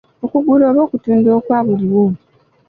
Okugula oba okutunda okwa buliwo.